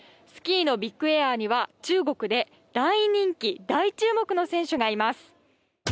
スキーのビッグエアには中国で大人気大注目の選手がいます。